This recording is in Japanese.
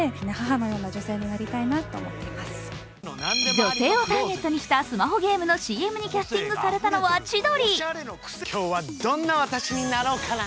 女性をターゲットにしたスマホゲームのＣＭにキャスティングされたのは千鳥。